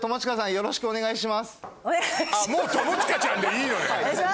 よろしくお願いします。